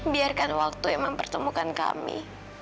biarkan waktu yang mempertemukan kami